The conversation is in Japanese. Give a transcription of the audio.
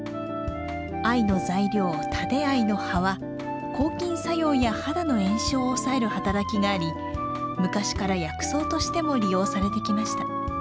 藍の材料タデアイの葉は抗菌作用や肌の炎症を抑える働きがあり昔から薬草としても利用されてきました。